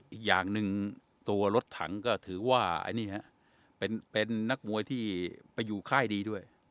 อีกอย่างหนึ่งตัวรถถังก็ถือว่าเป็นนักมวยที่ไปอยู่ค่ายดีด้วย